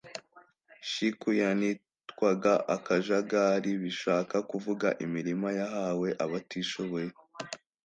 shiku yanitwaga akajagari bishaka kuvuga imirima yahawe abatishoboye